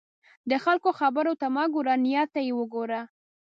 د خلکو خبرو ته مه ګوره، نیت ته یې وګوره.